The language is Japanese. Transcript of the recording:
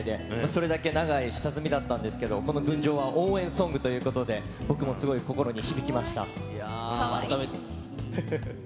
それだけ長い下積みだったんですけど、この群青は応援ソングということで、僕もすごい心に響きまかわいいですね。